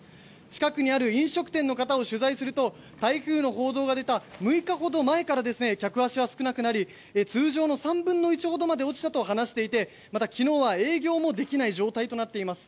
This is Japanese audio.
近くにある飲食店の方を取材すると台風の報道が出た６日ほど前から客足は少なくなり通常の３分の１ほどまで落ちたと話していてまた、昨日は営業もできない状況となっています。